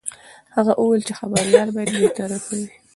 هغه وویل چې خبریال باید بې طرفه وي.